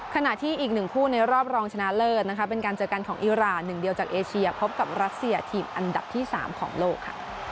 ขณะที่อีกหนึ่งคู่ในรอบรองชนะเลิศนะคะเป็นการเจอกันของอิราหนึ่งเดียวจากเอเชียพบกับรัสเซียทีมอันดับที่๓ของโลกค่ะ